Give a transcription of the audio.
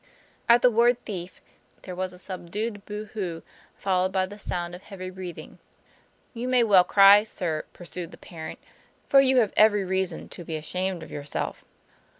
At the word " thief" there was a subdued boo hoo, followed by the sound of heavy breathing. "You may well cry, sir," pursued the parent," for you have every reason to be ashamed of yourself."